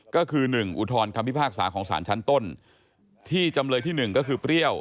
ก็คือ๑อุทธรณคำพิพากษาของสารชั้นต้นที่จำเลยที่๑ก็คือเปรี้ยว